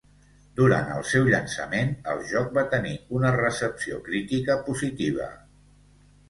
Durant el seu llançament, el joc va tenir una recepció crítica positiva.